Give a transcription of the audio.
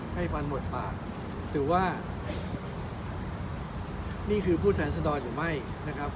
ให้ควรหมดปากถือว่านี่คือผู้แทนศดรที่ไหม้นะครับ